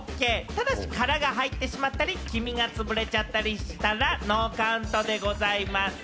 ただし殻が入ってしまったり、黄身がつぶれちゃったりしたら、ノーカウントでございます。